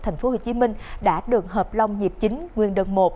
thành phố hồ chí minh đã được hợp lông nhịp chính nguyên đơn một